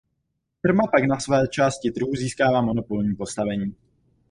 Firma pak na své části trhu získává monopolní postavení.